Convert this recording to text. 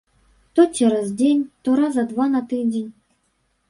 То цераз дзень, то разы два на тыдзень.